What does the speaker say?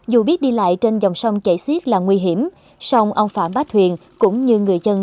dù biết đi lại trên dòng sông chảy xiết là nguy hiểm song ông phạm bát thuyền cũng như người dân